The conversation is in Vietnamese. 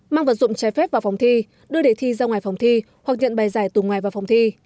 mang vật dụng trái phép vào phòng thi đưa đề thi ra ngoài phòng thi hoặc nhận bài giải từ ngoài vào phòng thi